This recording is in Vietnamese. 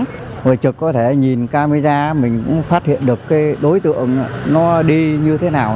người trực có thể nhìn camera mình cũng phát hiện được cái đối tượng nó đi như thế nào